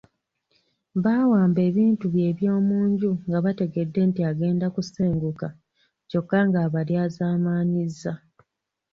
Baawamba ebintu bye eby’omu nju nga bategedde nti agenda kusenguka kyokka ng’abalyazaamaanyizza.